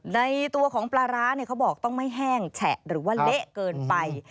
ในตัวของปลาร้าเนี่ยเขาบอกต้องไม่แห้งแฉะหรือว่าเละเกินไป